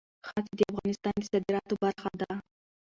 ښتې د افغانستان د صادراتو برخه ده.